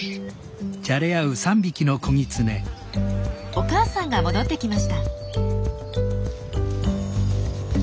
お母さんが戻ってきました。